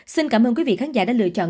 xin cảm ơn quý vị khán giả đã lựa chọn